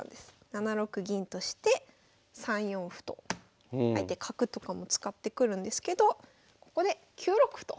７六銀として３四歩と相手角とかも使ってくるんですけどここで９六歩と。